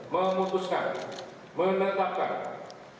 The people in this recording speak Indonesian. memutuskan menetapkan menerima dan menerima